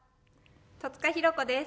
戸塚寛子です。